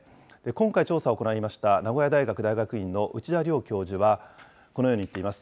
今回、調査を行いました名古屋大学大学院の内田良教授は、このように言っています。